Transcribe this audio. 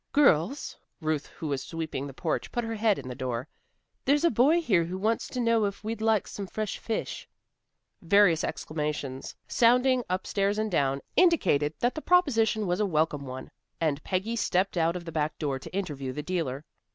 "Girls," Ruth, who was sweeping the porch, put her head in the door, "there's a boy here who wants to know if we'd like some fresh fish." Various exclamations sounding up stairs and down, indicated that the proposition was a welcome one, and Peggy stepped out of the back door to interview the dealer.